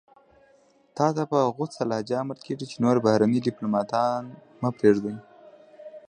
تاته په غوڅه لهجه امر کېږي چې نور بهرني دیپلوماتان مه پرېږدئ.